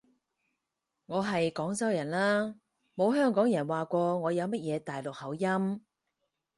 我係廣州人啦，冇香港人話過我有乜嘢大陸口音